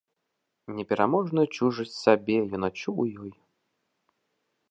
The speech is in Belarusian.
Непераможную чужасць сабе ён адчуў у ёй.